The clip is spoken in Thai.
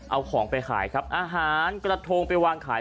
เอาของไปขายครับอาหารกระทงไปวางขาย